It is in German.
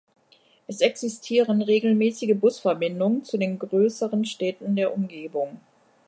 Es existieren regelmäßige Busverbindungen zu den größeren Städten der Umgebung.